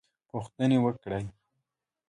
پوښتنې وکړې.